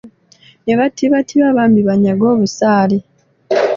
Ne battibattiba bambi banyage obusaale.